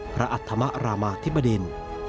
พระอัตธรรมรามก์ทิบดิน